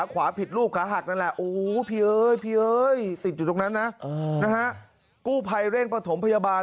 ครับ